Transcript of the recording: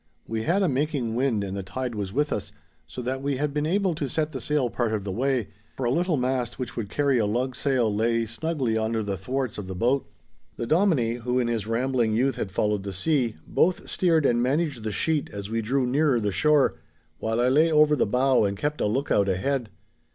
We had a making wind and the tide was with us, so that we had been able to set the sail part of the way—for a little mast which would carry a lug sail lay snugly under the thwarts of the boat. The Dominie, who in his rambling youth had followed the sea, both steered and managed the sheet as we drew nearer the shore, while I lay over the bow and kept a look out ahead.